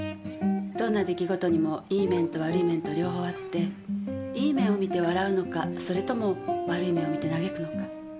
どんな出来事にもいい面と悪い面と両方あっていい面を見て笑うのかそれとも悪い面を見て嘆くのか。